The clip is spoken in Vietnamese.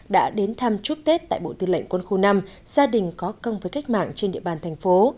đã đến thăm chúc tết tại bộ tư lệnh quân khu năm gia đình có công với cách mạng trên địa bàn thành phố